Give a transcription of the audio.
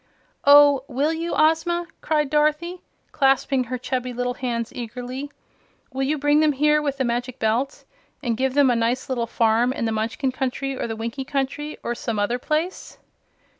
"Oh, will you, Ozma?" cried Dorothy, clasping her chubby little hands eagerly. "Will you bring them here with the Magic Belt, and give them a nice little farm in the Munchkin Country, or the Winkie Country or some other place?"